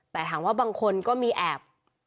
แต่ถามว่าบางคนก็มีแอบ